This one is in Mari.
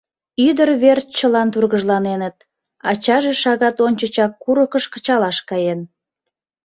Ӱдыр верч чылан тургыжланеныт, ачаже шагат ончычак курыкыш кычалаш каен.